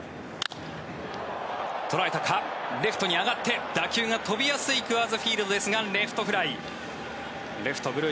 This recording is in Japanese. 捉えたか、レフトに上がって打球が飛びやすいクアーズ・フィールドですがレフトフライ。